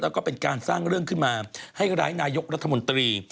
แล้วก็เป็นการสร้างเรื่องขึ้นมาให้ร้ายนายกรัฐมนตรี